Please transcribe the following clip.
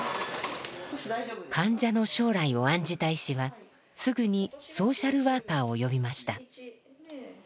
患者の将来を案じた医師はすぐにソーシャルワーカーを呼びました。